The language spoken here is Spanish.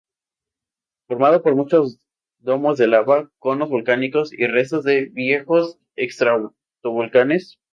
Formado por muchos domos de lava, conos volcánicos y restos de viejos estratovolcanes.